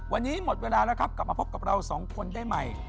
วันนี้หมดเวลาแล้วครับกลับมาพบกับเราสองคนได้ใหม่